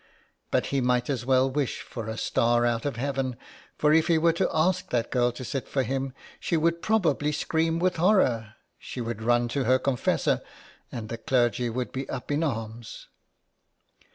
But he might as well wish for a star out of heaven, for if he were to ask that girl to sit to him she would probably scream with horror ; she would rwn to her confessor, and the clergy would be up in arms.